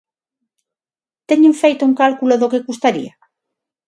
Teñen feito un cálculo do que custaría?